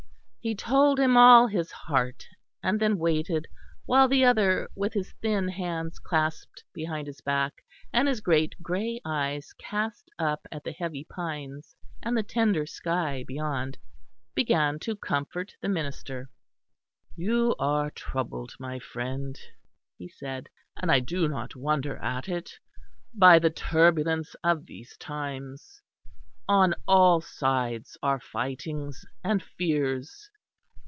He told him all his heart, and then waited, while the other, with his thin hands clasped behind his back, and his great grey eyes cast up at the heavy pines and the tender sky beyond, began to comfort the minister. "You are troubled, my friend," he said, "and I do not wonder at it, by the turbulence of these times. On all sides are fightings and fears.